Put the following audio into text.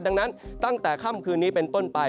ดังนั้นตั้งแต่ค่ำคืนนี้เป็นต้นไป